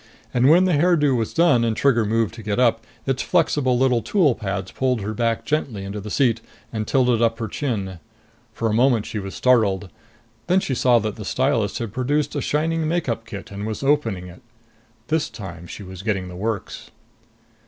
And when the hairdo was done and Trigger moved to get up, its flexible little tool pads pulled her back gently into the seat and tilted up her chin. For a moment she was startled. Then she saw that the stylist had produced a shining make up kit and was opening it. This time she was getting the works....